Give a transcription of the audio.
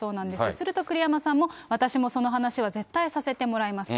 すると、栗山さんも、私もその話は絶対させてもらいますと。